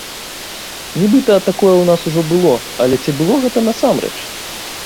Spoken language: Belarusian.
Нібыта, такое ў нас ужо было, але ці было гэта насамрэч?